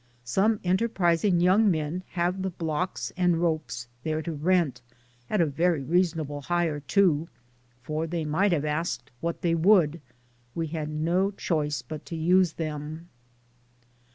Some enterprising young men have the blocks and ropes there to rent, at a very reasonable hire, too, for they might DAYS ON THE ROAD. 121 have asked what they would^ we had no choice but to use them.